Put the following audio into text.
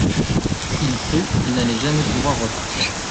Il crut qu’il n’allait jamais pouvoir repartir.